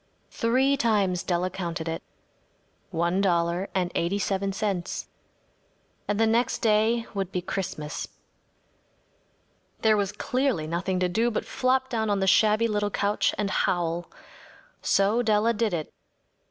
Three times Della counted it. One dollar and eighty seven cents. And the next day would be Christmas. There was clearly nothing to do but flop down on the shabby little couch and howl. So Della did it.